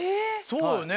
そうよね